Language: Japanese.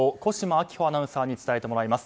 秋穂アナウンサーに伝えてもらいます。